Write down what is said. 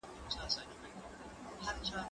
زه بايد کتابتون ته راشم؟